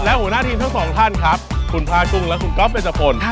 และหัวหน้าทีมทั้งสองท่านครับคุณผ้ากุ้งและคุณก๊อฟเดชพล